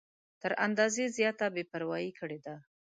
تر اندازې زیاته بې پروايي کړې ده.